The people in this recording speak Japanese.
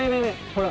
ほら